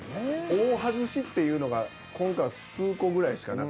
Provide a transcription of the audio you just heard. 大外しっていうのが今回数個ぐらいしかなかった。